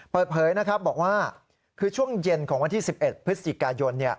เปิดเผยนะครับบอกว่าคือช่วงเย็นของวันที่๑๑พฤศจิกายน